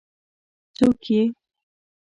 ـ څوک یې؟